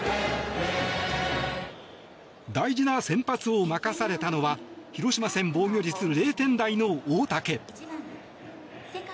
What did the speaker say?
大事な先発を任されたのは広島戦防御率０点台の大竹。